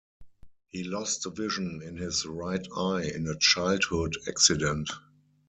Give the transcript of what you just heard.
He lost the vision in his right eye in a childhood accident.